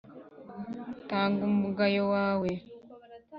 Twanga umugayo wawe.